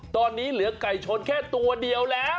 ตอนนี้เหลือไก่ชนแค่ตัวเดียวแล้ว